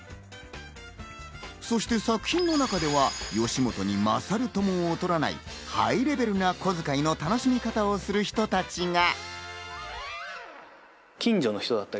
そして作品の中では吉本に勝るとも劣らないハイレベルなこづかいの楽しみ方をする人たちが。